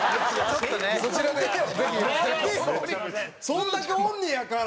そんだけおんのやから。